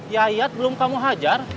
yayat belum kamu hajar